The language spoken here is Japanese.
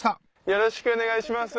よろしくお願いします。